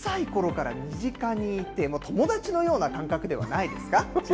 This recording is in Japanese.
小さいころから身近にいて、友達のような感覚ではないですか？